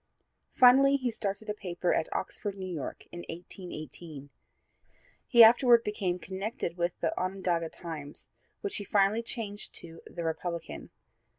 Finally he started a paper at Oxford, New York, in 1818. He afterward became connected with the Onondaga Times, which he finally changed to the Republican.